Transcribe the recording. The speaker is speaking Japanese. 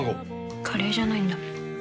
カレーじゃないんだ。